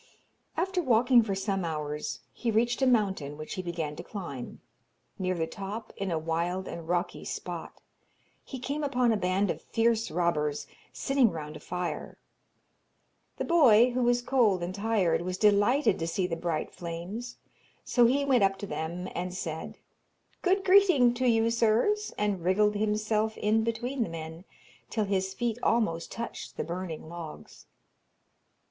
After walking for some hours he reached a mountain, which he began to climb. Near the top, in a wild and rocky spot, he came upon a band of fierce robbers, sitting round a fire. The boy, who was cold and tired, was delighted to see the bright flames, so he went up to them and said, 'Good greeting to you, sirs,' and wriggled himself in between the men, till his feet almost touched the burning logs.